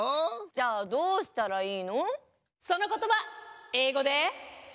⁉じゃあどうしたらいいの？え？あう？